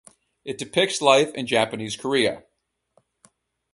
It depicts life in Japanese Korea.